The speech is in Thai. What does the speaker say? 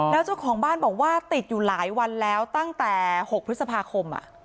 แล้วเจ้าของบ้านบอกว่าติดอยู่หลายวันแล้วตั้งแต่๖พฤษภาคม